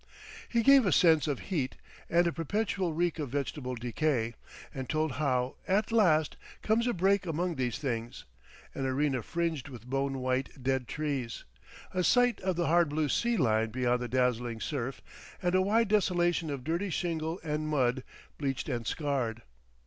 He gave a sense of heat and a perpetual reek of vegetable decay, and told how at last comes a break among these things, an arena fringed with bone white dead trees, a sight of the hard blue sea line beyond the dazzling surf and a wide desolation of dirty shingle and mud, bleached and scarred....